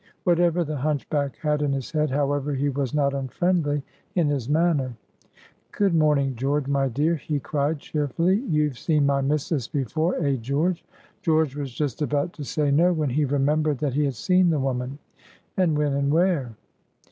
Whatever the hunchback had in his head, however, he was not unfriendly in his manner. "Good morning, George, my dear!" he cried, cheerfully; "you've seen my missus before, eh, George?" George was just about to say no, when he remembered that he had seen the woman, and when and where.